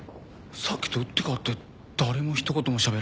さっきと打って変わって誰もひと言もしゃべらず。